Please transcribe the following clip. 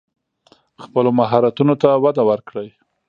خپلو مهارتونو ته وده ورکړئ.